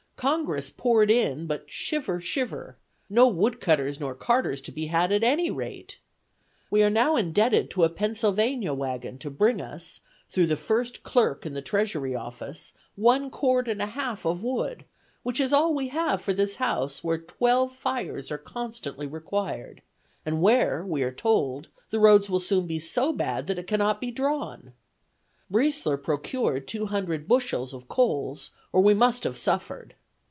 Congress poured in, but shiver, shiver. No woodcutters nor carters to be had at any rate. We are now indebted to a Pennsylvania waggon to bring us, through the first clerk in the Treasury office, one cord and a half of wood, which is all we have for this house, where twelve fires are constantly required, and where, we are told, the roads will soon be so bad that it cannot be drawn. Briesler procured two hundred bushels of coals or we must have suffered.